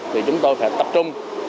thì chúng tôi phải tập trung